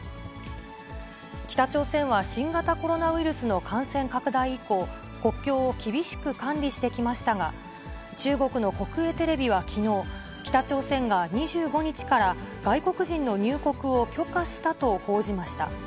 北朝鮮は新型コロナウイルスの感染拡大以降、国境を厳しく管理してきましたが、中国の国営テレビはきのう、北朝鮮が２５日から外国人の入国を許可したと報じました。